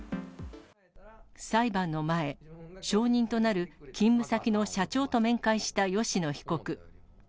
裁判の前、証人となる勤務先の社長と面会した吉野被告。